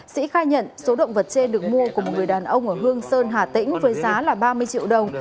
sĩ khai nhận số động vật trên được mua của một người đàn ông ở hương sơn hà tĩnh với giá là ba mươi triệu đồng